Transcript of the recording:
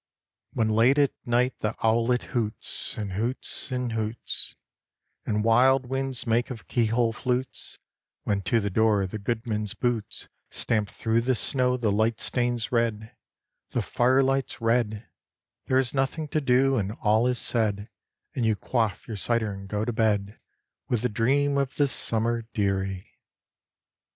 II. When late at night the owlet hoots, And hoots, and hoots; And wild winds make of keyholes flutes; When to the door the goodman's boots Stamp through the snow the light stains red, The fire light's red; There is nothing to do, and all is said, And you quaff your cider and go to bed With a dream of the summer, dearie.